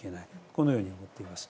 このように思っています。